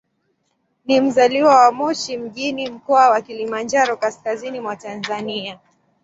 Ni mzaliwa wa Moshi mjini, Mkoa wa Kilimanjaro, kaskazini mwa Tanzania.